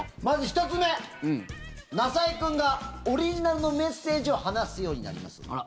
まず１つ目なさいくんがオリジナルのメッセージを話すようになります。